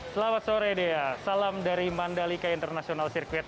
selamat sore dea salam dari mandalika international circuit